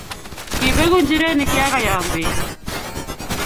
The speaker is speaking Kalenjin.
Kibeku nchirenik ya koyam beek